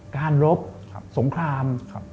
การรบสงคราม